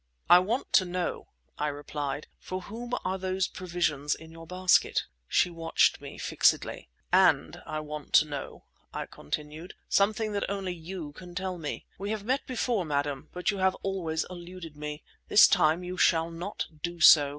"I want to know," I replied, "for whom are those provisions in your basket?" She watched me fixedly. "And I want to know," I continued, "something that only you can tell me. We have met before, madam, but you have always eluded me. This time you shall not do so.